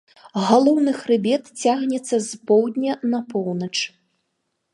Галоўны хрыбет цягнецца з поўдня на поўнач.